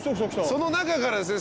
その中からですね